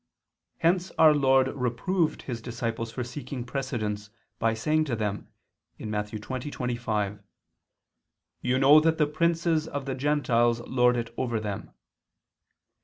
Hence our Lord reproved His disciples for seeking precedence, by saying to them (Matt. 20:25): "You know that the princes of the gentiles lord it over them."